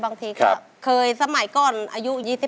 มีทีมีทริก